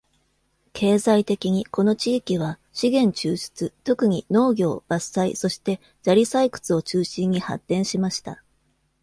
経済的に、この地域は資源抽出、特に農業、伐採、そして砂利採掘を中心に発展しました。